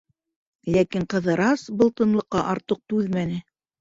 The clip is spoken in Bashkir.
Ләкин Ҡыҙырас был тынлыҡҡа артыҡ түҙмәне.